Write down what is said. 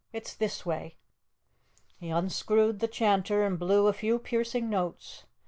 It's this way." He unscrewed the chanter and blew a few piercing notes.